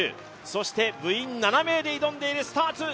そして部員７人で挑んでいるスターツ。